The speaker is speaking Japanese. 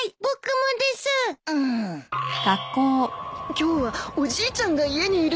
今日はおじいちゃんが家にいるんだ。